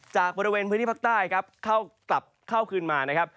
จากบริเวณพื้นที่ภาคใต้ครับเข้ากลับเข้าคืนมานะครับ